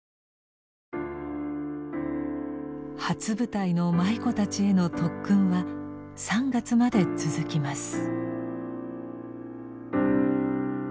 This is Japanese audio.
初舞台の舞妓たちへの特訓は３月まで続きます。